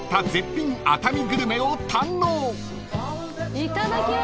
いただきます。